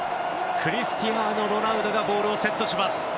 クリスティアーノ・ロナウドがボールをセットします。